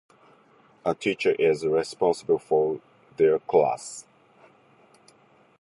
A teacher is responsible for their class.